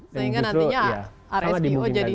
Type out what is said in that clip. sehingga nantinya rspo jadi